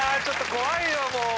ちょっと怖いよ。